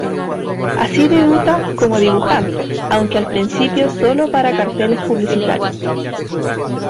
Así debuta como dibujante, aunque al principio solo para carteles publicitarios.